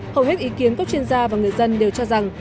hầu hết ý kiến các chuyên gia và người dân đều cho rằng